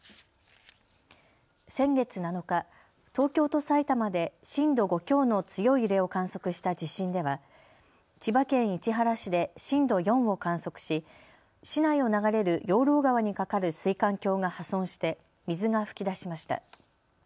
先月７日、東京と埼玉で震度５強の強い揺れを観測した地震では千葉県市原市で震度４を観測し、市内を流れる養老川に架かる水管橋が破損して水が噴き出しました。